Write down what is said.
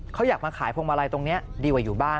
เขาอยากมาขายพวงมาลัยตรงนี้ดีกว่าอยู่บ้าน